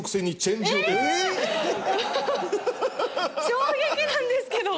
衝撃なんですけど。